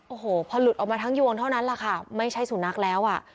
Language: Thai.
โอ้โหพอหลุดออกมาทั้งยวงเท่านั้นแหละค่ะไม่ใช่สุนัขแล้วอ่ะ